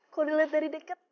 kalo diliat dari deket